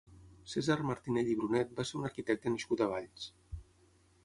Cèsar Martinell i Brunet va ser un arquitecte nascut a Valls.